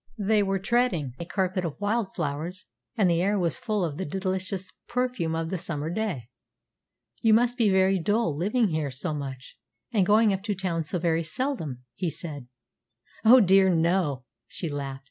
They were treading a carpet of wild flowers, and the air was full of the delicious perfume of the summer day. "You must be very dull, living here so much, and going up to town so very seldom," he said. "Oh dear no!" she laughed.